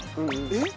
えっ？